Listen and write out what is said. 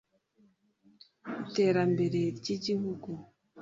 iterambere ry’igihugu.